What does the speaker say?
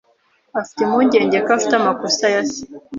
Afite impungenge ko afite amakosa ya se